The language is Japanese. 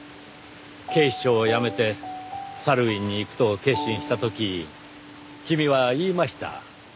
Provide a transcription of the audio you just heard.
警視庁を辞めてサルウィンに行くと決心した時君は言いました。